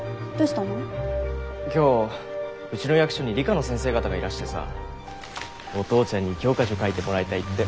今日うちの役所に理科の先生方がいらしてさお父ちゃんに教科書書いてもらいたいって。